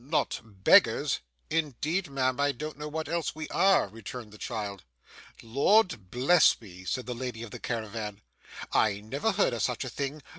Not beggars?' 'Indeed, ma'am, I don't know what else we are,' returned the child. 'Lord bless me,' said the lady of the caravan. 'I never heard of such a thing.